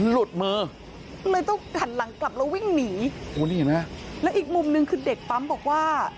หลุดมือเลยต้องหันหลังกลับแล้ววิ่งหนีโอ้นี่เห็นไหมแล้วอีกมุมนึงคือเด็กปั๊มบอกว่า